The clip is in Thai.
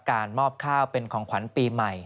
การมอบข้าวเป็นของขวัญปีใหม่